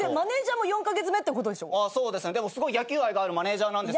でもすごい野球愛があるマネジャーなんです。